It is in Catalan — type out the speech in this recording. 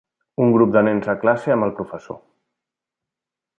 Un grup de nens a classe amb el professor.